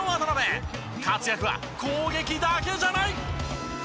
活躍は攻撃だけじゃない！